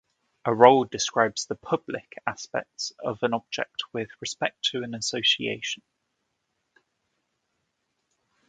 A role describes the "public" aspects of an object with respect to an association.